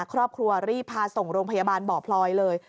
ครอบครัวรีบพาส่งโรงพยาบาลบ่อพลอยเลย